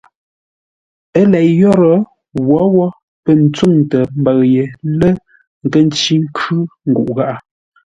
Ə́ lei yórə́, wǒwó pə̂ ntsûŋtə mbəʉ ye lə̂ nkə́ ncí nkhʉ́ nguʼ gháʼá.